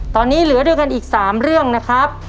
ตอนนี้เหลือด้วยกันอีก๓เรื่องนะครับ